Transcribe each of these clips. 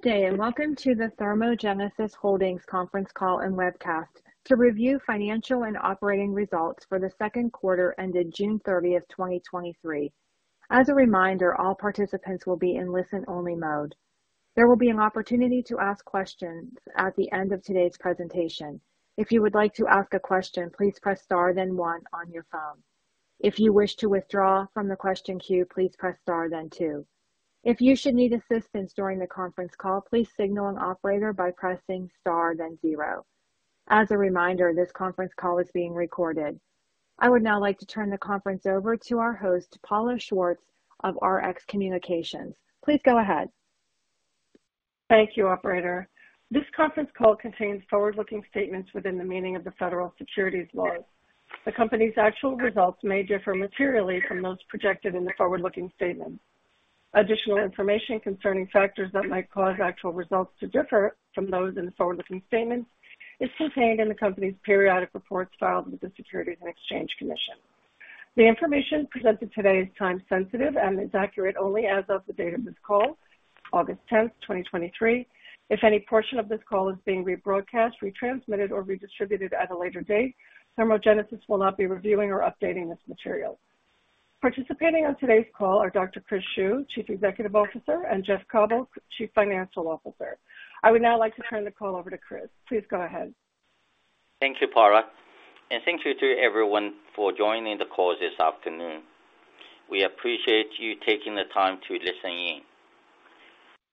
Good day, and welcome to the ThermoGenesis Holdings conference call and webcast to review financial and operating results for the second quarter ended June 30th, 2023. As a reminder, all participants will be in listen-only mode. There will be an opportunity to ask questions at the end of today's presentation. If you would like to ask a question, please press star then one on your phone. If you wish to withdraw from the question queue, please press star then two. If you should need assistance during the conference call, please signal an operator by pressing star then zero. As a reminder, this conference call is being recorded. I would now like to turn the conference over to our host, Paula Schwartz, of Rx Communications. Please go ahead. Thank you, operator. This conference call contains forward-looking statements within the meaning of the federal securities laws. The company's actual results may differ materially from those projected in the forward-looking statements. Additional information concerning factors that might cause actual results to differ from those in the forward-looking statements is contained in the company's periodic reports filed with the Securities and Exchange Commission. The information presented today is time sensitive and is accurate only as of the date of this call, August 10th, 2023. If any portion of this call is being rebroadcast, retransmitted, or redistributed at a later date, ThermoGenesis will not be reviewing or updating this material. Participating on today's call are Dr. Chris Xu, Chief Executive Officer, and Jeff Cauble, Chief Financial Officer. I would now like to turn the call over to Chris. Please go ahead. Thank you, Paula, and thank you to everyone for joining the call this afternoon. We appreciate you taking the time to listen in.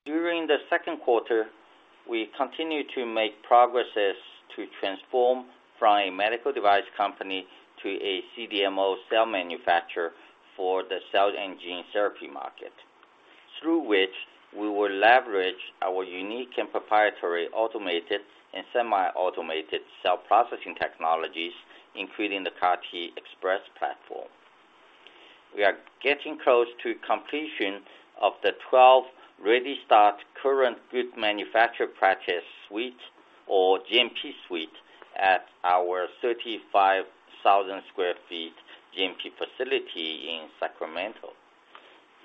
During the second quarter, we continued to make progresses to transform from a medical device company to a CDMO cell manufacturer for the cell and gene therapy market, through which we will leverage our unique and proprietary automated and semi-automated cell processing technologies, including the CAR-TXpress platform. We are getting close to completion of the 12 ReadyStart current good manufacturing practice suite, or GMP suite at our 35,000 sq ft GMP facility in Sacramento.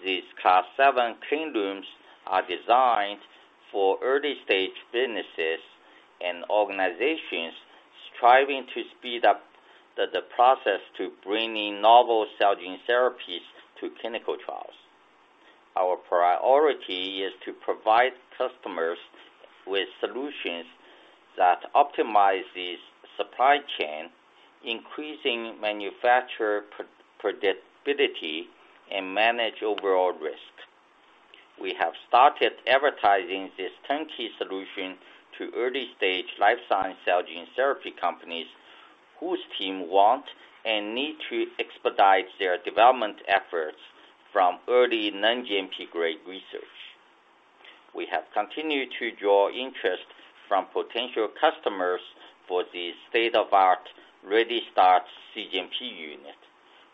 These Class 7 cleanrooms are designed for early-stage businesses and organizations striving to speed up the process to bringing novel cell gene therapies to clinical trials. Our priority is to provide customers with solutions that optimizes supply chain, increasing manufacturer predictability, and manage overall risk. We have started advertising this turnkey solution to early-stage life science cell gene therapy companies whose team want and need to expedite their development efforts from early non-GMP-grade research. We have continued to draw interest from potential customers for the state-of-the-art ReadyStart cGMP unit,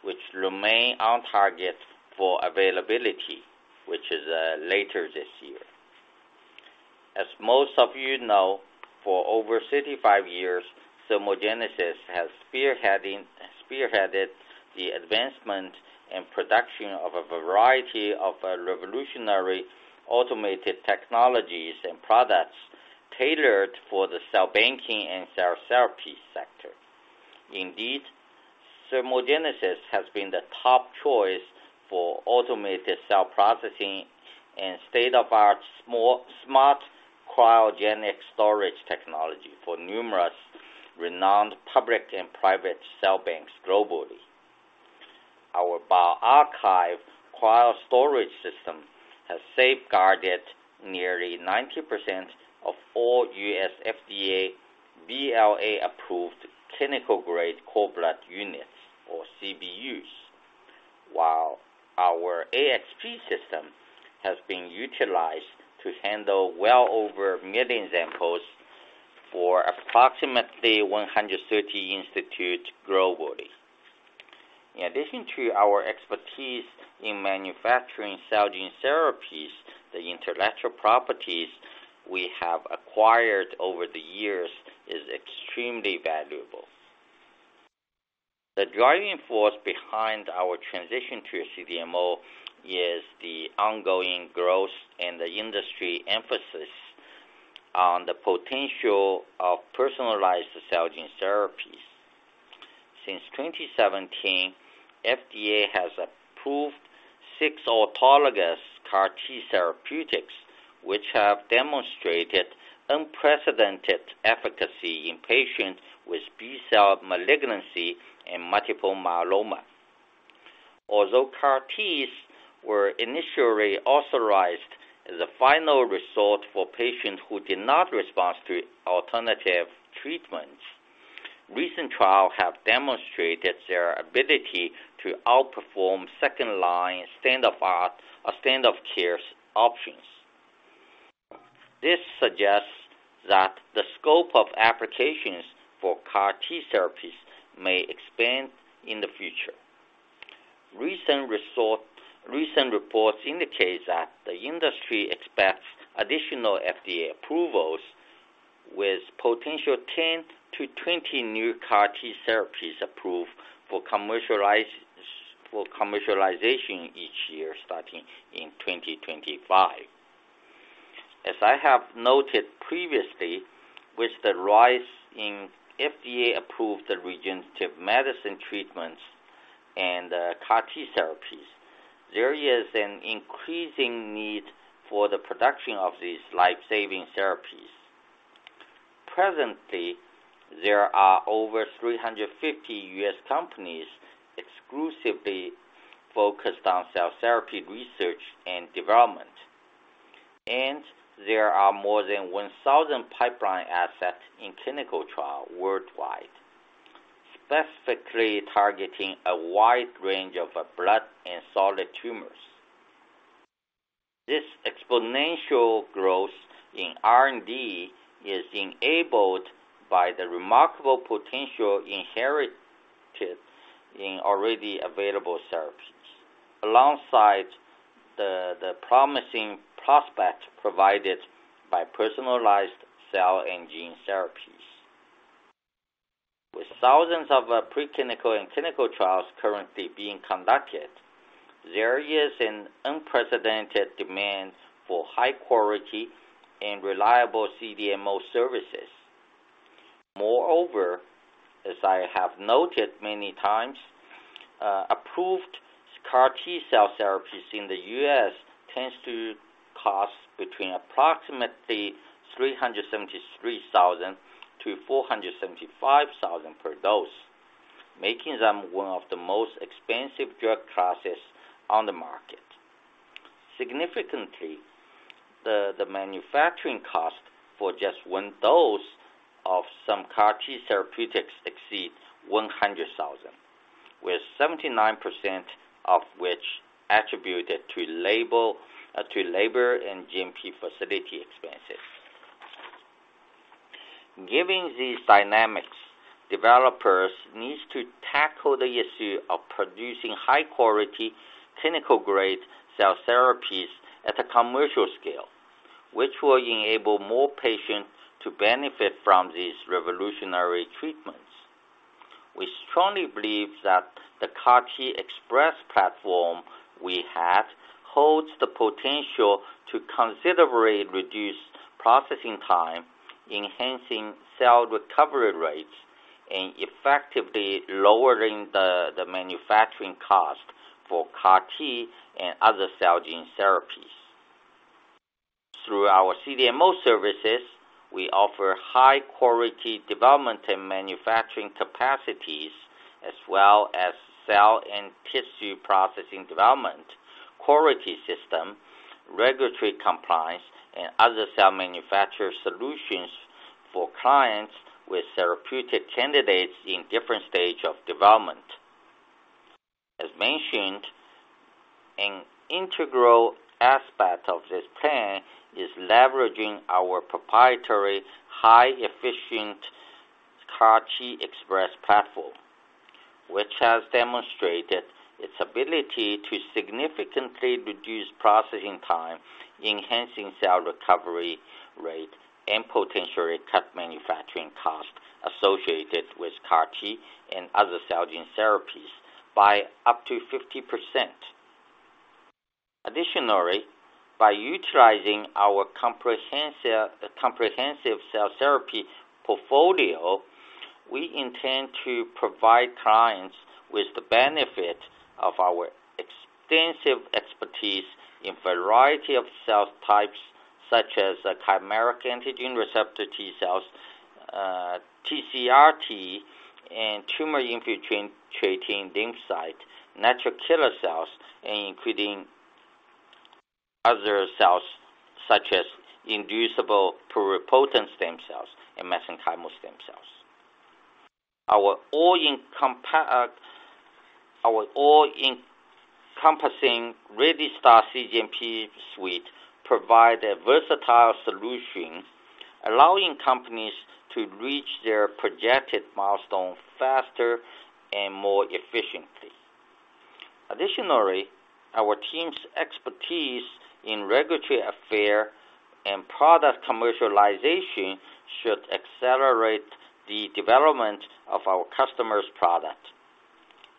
which remains on target for availability, which is later this year. As most of you know, for over 35 years, ThermoGenesis has spearheaded the advancement and production of a variety of revolutionary automated technologies and products tailored for the cell banking and cell therapy sector. Indeed, ThermoGenesis has been the top choice for automated cell processing and state-of-the-art smart cryogenic storage technology for numerous renowned public and private cell banks globally. Our BioArchive cryostorage system has safeguarded nearly 90% of all U.S. FDA BLA-approved clinical-grade cord blood units or CBUs, while our AXP system has been utilized to handle well over 1 million samples for approximately 130 institutes globally. In addition to our expertise in manufacturing cell gene therapies, the intellectual properties we have acquired over the years is extremely valuable. The driving force behind our transition to a CDMO is the ongoing growth and the industry emphasis on the potential of personalized cell gene therapies. Since 2017, FDA has approved six autologous CAR T therapeutics, which have demonstrated unprecedented efficacy in patients with B-cell malignancy and multiple myeloma. Although CAR Ts were initially authorized as a final resort for patients who did not respond to alternative treatments, recent trials have demonstrated their ability to outperform second-line, state-of-art, standard of care options. This suggests that the scope of applications for CAR T therapies may expand in the future. Recent reports indicate that the industry expects additional FDA approvals. with potential 10-20 new CAR T therapies approved for commercialize, for commercialization each year, starting in 2025. As I have noted previously, with the rise in FDA-approved Regenerative medicine treatments and CAR T therapies, there is an increasing need for the production of these life-saving therapies. Presently, there are over 350 U.S. companies exclusively focused on cell therapy research and development. There are more than 1,000 pipeline assets in clinical trial worldwide, specifically targeting a wide range of blood and solid tumors. This exponential growth in R&D is enabled by the remarkable potential inherited in already available therapies, alongside the promising prospect provided by personalized cell and gene therapies. With thousands of preclinical and clinical trials currently being conducted, there is an unprecedented demand for high-quality and reliable CDMO services. Moreover, as I have noted many times, approved CAR T cell therapies in the U.S. tends to cost between approximately $373,000-$475,000 per dose, making them one of the most expensive drug classes on the market. Significantly, the manufacturing cost for just one dose of some CAR T therapeutics exceeds $100,000, with 79% of which attributed to label, to labor, and GMP facility expenses. Given these dynamics, developers needs to tackle the issue of producing high-quality, clinical-grade cell therapies at a commercial scale, which will enable more patients to benefit from these revolutionary treatments. We strongly believe that the CAR-TXpress platform we have holds the potential to considerably reduce processing time, enhancing cell recovery rates, and effectively lowering the manufacturing cost for CAR T and other cell gene therapies. Through our CDMO services, we offer high-quality development and manufacturing capacities, as well as cell and tissue processing development, quality system, regulatory compliance, and other cell manufacturing solutions for clients with therapeutic candidates in different stages of development. As mentioned, an integral aspect of this plan is leveraging our proprietary, high efficient CAR-TXpress platform, which has demonstrated its ability to significantly reduce processing time, enhancing cell recovery rate, and potentially cut manufacturing costs associated with CAR T and other cell gene therapies by up to 50%. Additionally, by utilizing our comprehensive cell-therapy portfolio, we intend to provide clients with the benefit of our extensive expertise in a variety of cell types, such as chimeric antigen receptor T cells, TCR-T, and tumor-infiltrating lymphocyte, natural killer cells, and including other cells, such as inducible pluripotent stem cells and mesenchymal stem cells. Our all-encompassing ReadyStart cGMP suite provides a versatile solution, allowing companies to reach their projected milestones faster and more efficiently. Additionally, our team's expertise in regulatory affair and product commercialization should accelerate the development of our customers' products,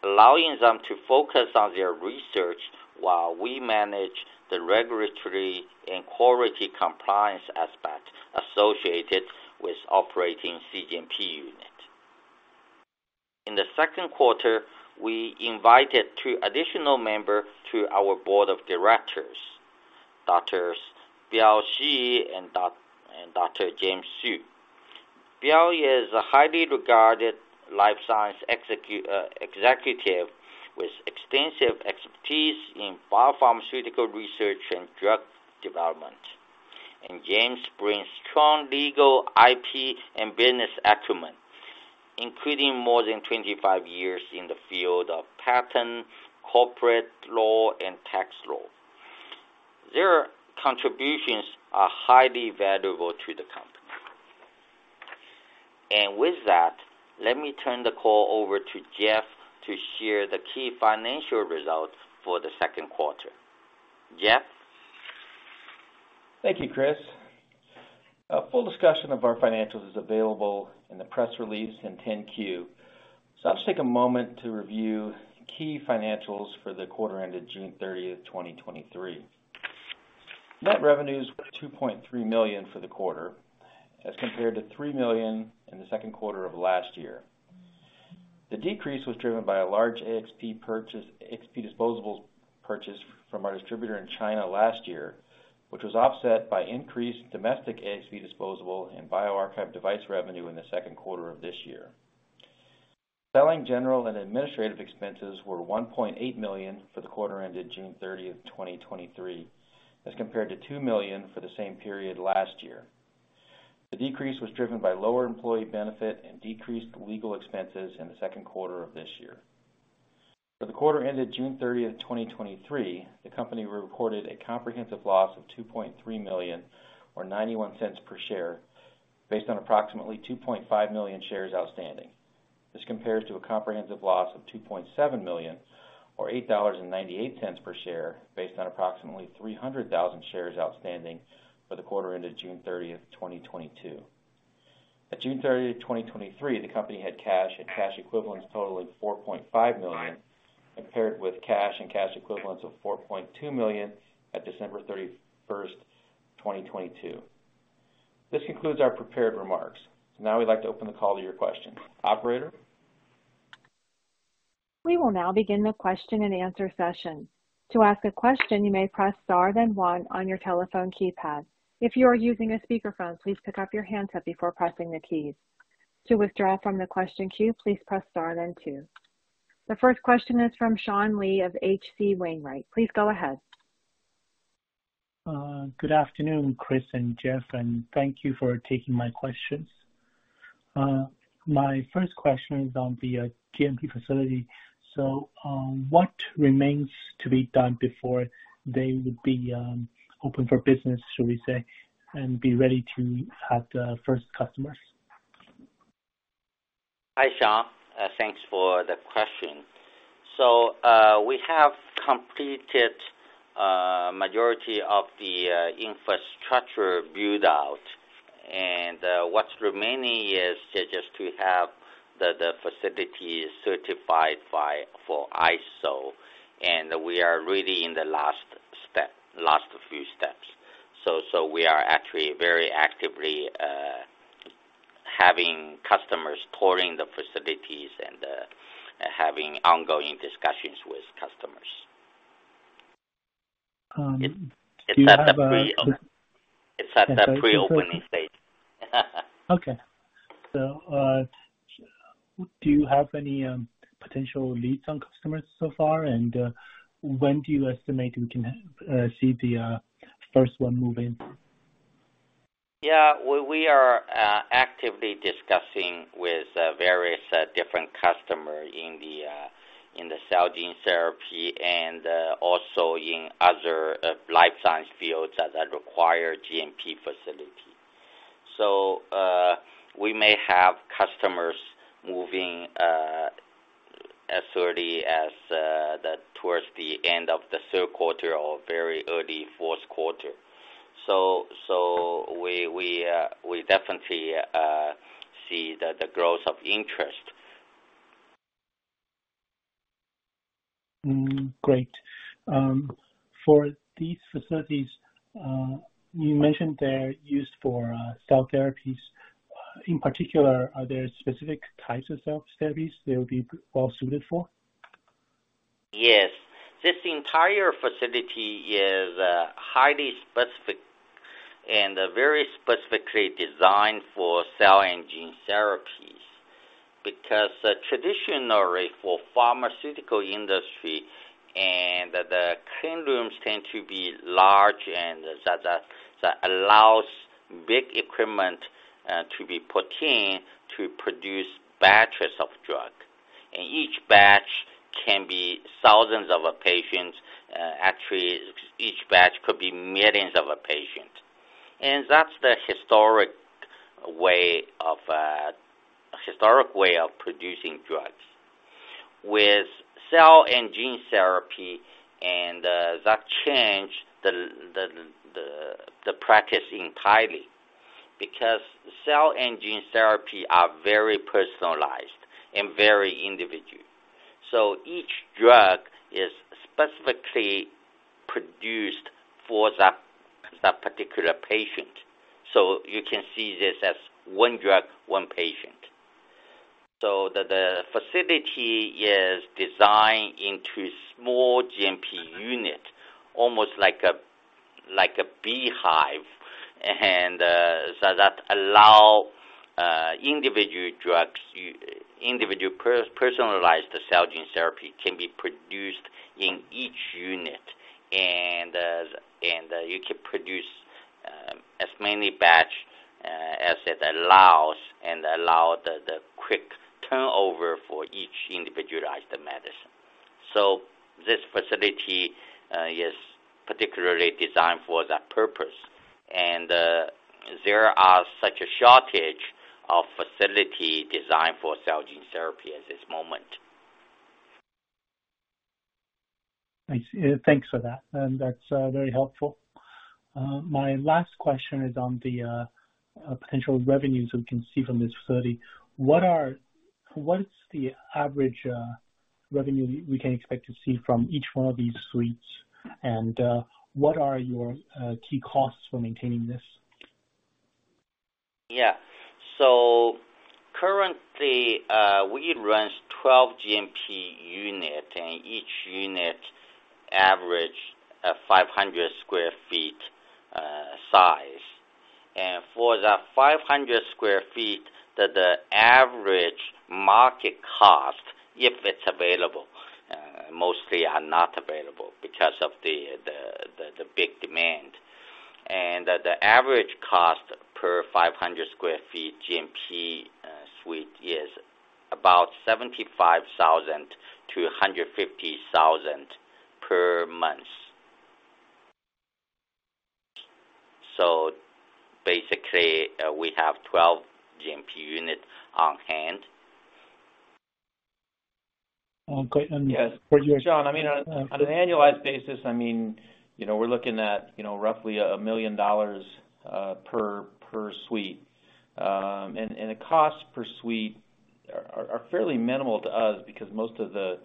allowing them to focus on their research while we manage the regulatory and quality compliance aspect associated with operating cGMP unit. In the second quarter, we invited two additional members to our Board of Directors, Dr. Biao Xi and Dr. James Xu. Biao is a highly regarded life science executive with extensive expertise in biopharmaceutical research and drug development. James brings strong legal, IP, and business acumen, including more than 25 years in the field of patent, corporate law, and tax law. Their contributions are highly valuable to the company. With that, let me turn the call over to Jeff to share the key financial results for the second quarter. Jeff? Thank you, Chris. A full discussion of our financials is available in the press release and 10-Q. I'll just take a moment to review key financials for the quarter ended June 30th, 2023. Net revenues were $2.3 million for the quarter, as compared to $3 million in the second quarter of last year. The decrease was driven by a large AXP disposables purchase from our distributor in China last year, which was offset by increased domestic AXP disposable and BioArchive device revenue in the second quarter of this year. Selling general and administrative expenses were $1.8 million for the quarter ended June 30th, 2023, as compared to $2 million for the same period last year. The decrease was driven by lower employee benefit and decreased legal expenses in the second quarter of this year. For the quarter ended June 30th, 2023, the company reported a comprehensive loss of $2.3 million, or $0.91 per share, based on approximately 2.5 million shares outstanding. This compares to a comprehensive loss of $2.7 million, or $8.98 per share, based on approximately 300,000 shares outstanding for the quarter ended June 30th, 2022. At June 30th, 2023, the company had cash and cash equivalents totaling $4.5 million, compared with cash and cash equivalents of $4.2 million at December 31st, 2022. This concludes our prepared remarks. Now, we'd like to open the call to your questions. Operator? We will now begin the question-and-answer session. To ask a question, you may press star then one on your telephone keypad. If you are using a speakerphone, please pick up your handset before pressing the keys. To withdraw from the question queue, please press star then two. The first question is from Sean Lee of H.C. Wainwright. Please go ahead. Good afternoon, Chris and Jeff, and thank you for taking my questions. My first question is on the GMP facility. What remains to be done before they would be open for business, should we say, and be ready to have the first customers? Hi, Sean. Thanks for the question. We have completed majority of the infrastructure build-out, and what's remaining is just to have the facility certified for ISO, and we are really in the last step, last few steps. We are actually very actively having customers touring the facilities and having ongoing discussions with customers. It's at the pre-opening stage. Okay. Do you have any potential leads on customers so far? When do you estimate we can see the first one move in? Yeah, we are actively discussing with various different customers in the cell gene therapy and also in other life science fields that require GMP facility. We may have customers moving as early as the towards the end of the third quarter or very early fourth quarter. So we definitely see the growth of interest. Great. For these facilities, you mentioned they're used for cell therapies. In particular, are there specific types of cell therapies they would be well-suited for? Yes. This entire facility is highly specific and very specifically designed for cell and gene therapies, because traditionally for pharmaceutical industry, and the cleanrooms tend to be large and that allows big equipment to be put in to produce batches of drug. Each batch can be thousands of a patients, actually, each batch could be millions of a patient. That's the historic way of producing drugs. With cell and gene therapy, and that changed the practice entirely, because cell and gene therapy are very personalized and very individual. So each drug is specifically produced for that, that particular patient, so you can see this as one drug, one patient. The facility is designed into small GMP unit, almost like a beehive, and so that allow individual drugs, individualized cell gene therapy can be produced in each unit. You can produce as many batch as it allows, and allow the quick turnover for each individualized medicine. This facility is particularly designed for that purpose. There are such a shortage of facility designed for cell gene therapy at this moment. I see. Thanks for that, and that's very helpful. My last question is on the potential revenues we can see from this study. What is the average revenue we can expect to see from each one of these suites? What are your key costs for maintaining this? Yeah. Currently, we run 12 GMP units, and each unit average 500 sq ft size. For the 500 sq ft, the average market cost, if it's available, mostly are not available because of the big demand. The average cost per 500 sq ft GMP suite is about $75,000-$150,000 per month. Basically, we have 12 GMP units on hand. Yes, John, I mean, on an annualized basis, I mean, you know, we're looking at, you know, roughly $1 million per suite. The costs per suite are, are, are fairly minimal to us because most of the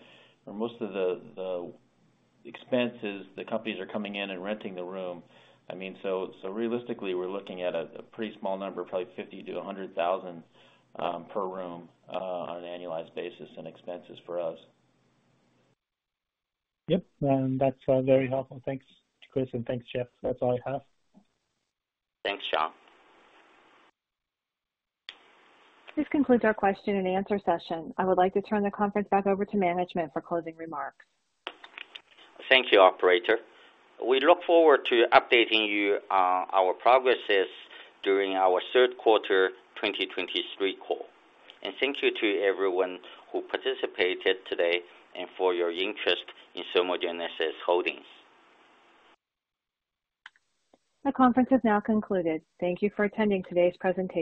expenses, the companies are coming in and renting the room. I mean, so realistically, we're looking at a, a pretty small number, probably $50,000-$100,000 per room on an annualized basis and expenses for us. Yep, and that's very helpful. Thanks, Chris, and thanks, Jeff. That's all I have. Thanks, John. This concludes our question-and-answer session. I would like to turn the conference back over to management for closing remarks. Thank you, operator. We look forward to updating you on our progresses during our third quarter 2023 call. Thank you to everyone who participated today, and for your interest in ThermoGenesis Holdings. The conference is now concluded. Thank you for attending today's presentation.